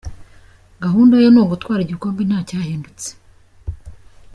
Gahunda yo ni ugutwara igikombe nta cyahindutse.